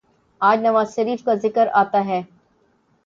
آج نواز شریف کا ذکر آتا ہے۔